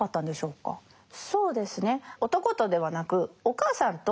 そうですね。